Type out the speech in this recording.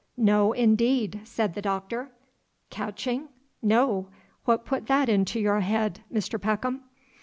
"No, indeed!" said the Doctor, "catching? no, what put that into your head, Mr. Peckham?"